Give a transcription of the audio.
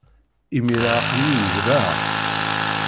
Imir-a, aql-iyi wejdeɣ.